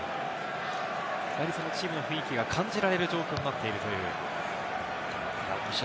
チームの雰囲気が感じられる状況になっているという。